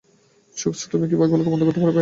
সোকস, তুমি কি এগুলোকে বন্ধ করতে পারবে?